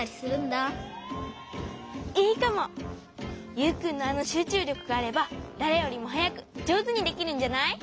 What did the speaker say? ユウくんのあのしゅうちゅうりょくがあればだれよりもはやくじょうずにできるんじゃない？